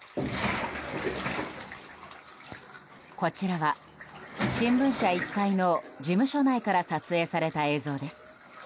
こちらは、新聞社１階の事務所内から撮影された映像です。